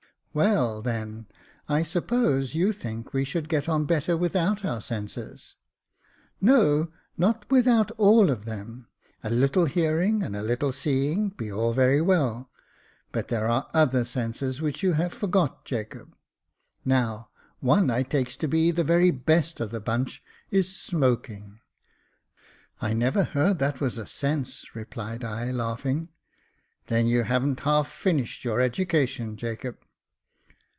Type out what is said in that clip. "Well, then, I suppose you think we should get on better without our senses." " No, not without all of them. A little hearing and a little seeing be all very well ; but there are other senses which you have forgot, Jacob. Now, one I takes to be the very best of the bunch is smoking." "I never heard that was a sense," replied I, laughing. " Then you hav'n't half finished your education, Jacob."